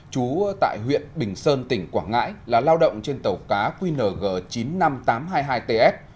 chú tại huyện bình sơn tỉnh quảng ngãi là lao động trên tàu cá qng chín mươi năm nghìn tám trăm hai mươi hai ts